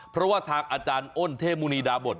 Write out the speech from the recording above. เพราะว่าทางอาจารย์อ้นเทพมุณีดาบท